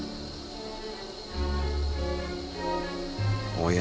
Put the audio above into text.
おや？